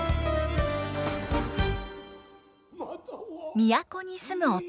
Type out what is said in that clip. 都に住む男。